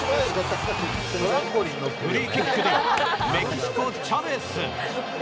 フリーキックではメキシコ、チャベス。